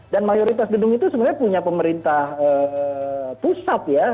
dan mayoritas gedung itu sebenarnya punya pemerintah pusat ya